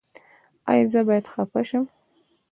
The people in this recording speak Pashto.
ایا زه باید خفه شم؟